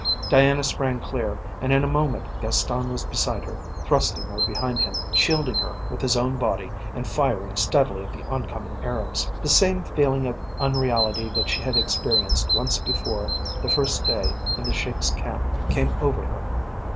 Diana sprang clear, and in a moment Gaston was beside her, thrusting her behind him, shielding her with his own body, and firing steadily at the oncoming Arabs. The same feeling of unreality that she had experienced once before the first day in the Sheik's camp came over her.